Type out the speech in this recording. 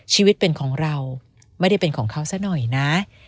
ชีวิตเป็นของเราไม่ได้เป็นของเขาซะหน่อยนะ